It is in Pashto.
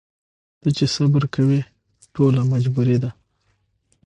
ته چي صبر کوې ټوله مجبوري ده